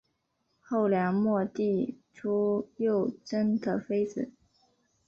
后梁末帝朱友贞的妃子。